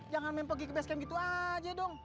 jangan main pergi ke base camp gitu aja dong